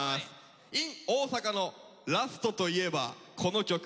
「ｉｎ大阪」のラストといえばこの曲。